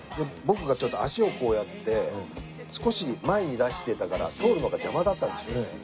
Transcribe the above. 僕がちょっと足をこうやって少し前に出してたから通るのが邪魔だったんでしょうね。